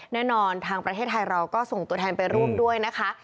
ทางประเทศไทยเราก็ส่งตัวแทนไปร่วมด้วยนะคะ